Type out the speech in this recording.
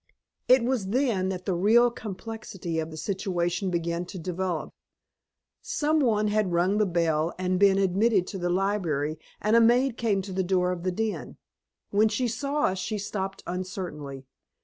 It was then that the real complexity of the situation began to develop. Some one had rung the bell and been admitted to the library and a maid came to the door of the den. When she saw us she stopped uncertainly.